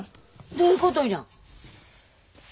どういうことや？